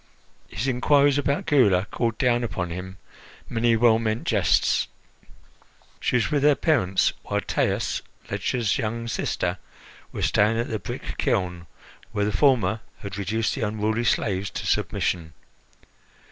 His inquiries about Gula called down upon him many well meant jests. She was with her parents; while Taus, Ledscha's young sister, was staying at the brick kiln, where the former had reduced the unruly slaves to submission.